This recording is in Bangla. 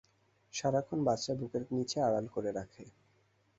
সারাক্ষণ বাচ্চা বুকের নিচে আড়াল করে রাখে।